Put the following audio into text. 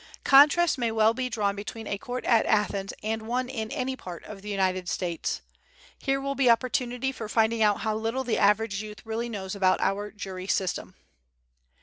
Contrast may well be drawn between a court at Athens and one in any part of the United States. Here will be opportunity for finding out how little the average youth really knows about our jury system.